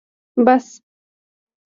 بس